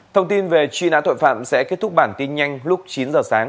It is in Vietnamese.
thông tin về truy nãn tội phạm sẽ kết thúc bản tin nhanh lúc chín h sáng